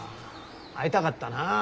会いたかったな。